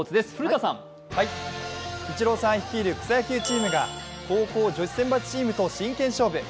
イチローさん率いる草野球チームが高校女子選抜チームと真剣勝負。